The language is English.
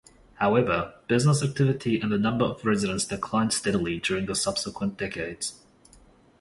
However, business activity and the number of residents declined steadily during the subsequent decades.